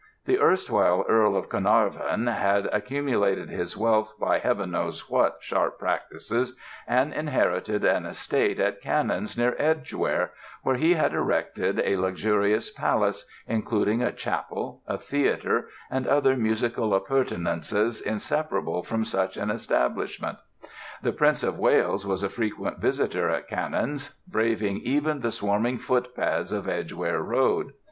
The erstwhile Earl of Carnarvon had accumulated his wealth by heaven knows what sharp practices, and inherited an estate at Cannons, near Edgware, where he had erected a luxurious palace, including a chapel, a theatre, and other musical appurtenances inseparable from such an establishment. The Prince of Wales was a frequent visitor at Cannons, braving even the swarming footpads of Edgware Road.